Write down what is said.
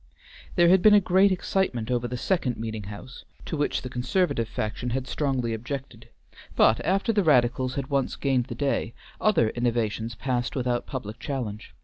There had been a great excitement over the second meeting house, to which the conservative faction had strongly objected, but, after the radicals had once gained the day, other innovations passed without public challenge.